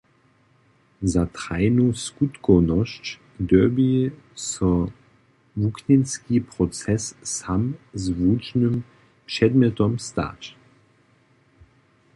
Za trajnu skutkownosć dyrbi so wuknjenski proces sam z wučbnym předmjetom stać.